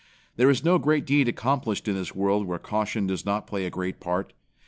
There is no great deed accomplished in this world where caution does not play a great part.